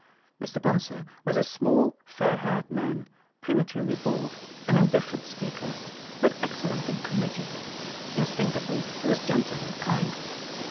Mr. Bonsor was a small, fair haired man, pre maturely bald, an indifferent speaker ; but excel lent in committee. Instinctively he was gentle and kind.